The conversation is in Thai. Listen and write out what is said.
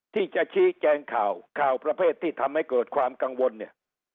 ที่จะชี้แจงข่าวข่าวประเภทที่ทำให้เกิดความกังวลเนี่ย